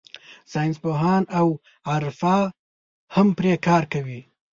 ساینسپوهان او عرفا هم پرې کار کوي.